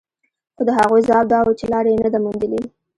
خو د هغوی ځواب دا و چې لاره يې نه ده موندلې.